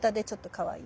かわいい。